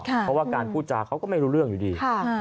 เพราะว่าการพูดจาเขาก็ไม่รู้เรื่องอยู่ดี